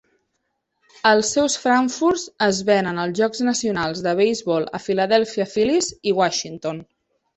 Els seus frankfurts es venen als jocs nacionals de beisbol a Philadelphia Phillies i Washington.